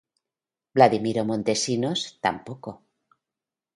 Vladimiro Montesinos, tampoco.